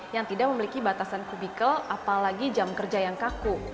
yang tidak memiliki batasan kubikel apalagi jam kerja yang kaku